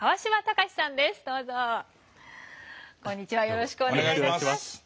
よろしくお願いします。